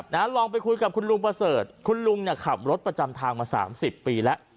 ลองไปคุยกับคุณลุงประเสริฐคุณลุงเนี่ยขับรถประจำทางมาสามสิบปีแล้ว